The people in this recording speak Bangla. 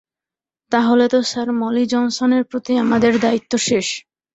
তাহলে তো স্যার মলি জনসনের প্রতি আমাদের দায়িত্ব শেষ।